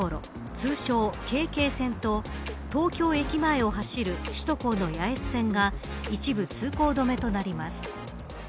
通称、ＫＫ線と東京駅前を走る首都高の八重洲線が一部通行止めとなります。